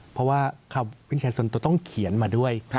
เพราะว่าคำวินแชร์ส่วนตัวต้องเขียนมาด้วย